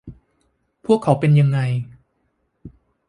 พวกเขาเป็นยังไง